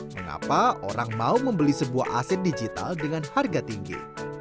mengapa orang mau membeli sebuah aset digital dengan harga tinggi